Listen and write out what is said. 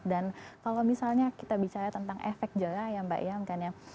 dan kalau misalnya kita bicara tentang efek jorah ya mbak